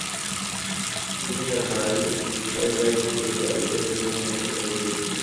তিনি তার ভাই ওলজাইতুকে তার উত্তরসূরি মনোনীত করে গিয়েছিলেন।